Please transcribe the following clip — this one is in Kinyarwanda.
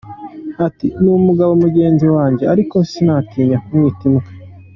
Ati: “Ni umugabo mugenzi wanjye ariko sinatinya kumwita Imbwa”.